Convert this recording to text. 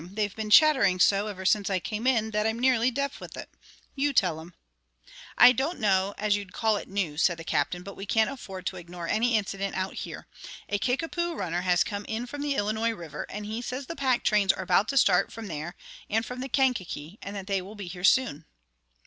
They've been chattering so ever since I came in that I'm nearly deaf with it. You tell 'em." "I don't know as you'd call it news," said the Captain; "but we can't afford to ignore any incident out here. A Kickapoo runner has come in from the Illinois River, and he says the pack trains are about to start from there and from the Kankakee, and that they will be here soon."